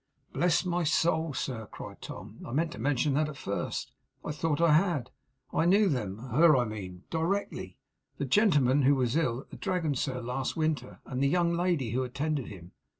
'Bless my soul, sir!' cried Tom, 'I meant to mention that at first, I thought I had. I knew them her, I mean directly. The gentleman who was ill at the Dragon, sir, last winter; and the young lady who attended him.